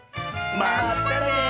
まったね！